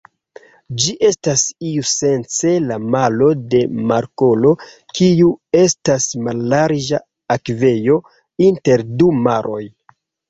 Ĝi estas iusence la malo de markolo, kiu estas mallarĝa akvejo inter du maroj.